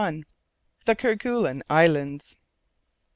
THE KERGUELEN ISLANDS.